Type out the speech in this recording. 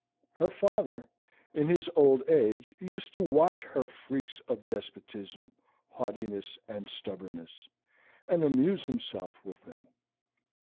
Her father, in his old age, used to watch her freaks of despotism, haughtiness, and stubbornness, and amuse himself with them.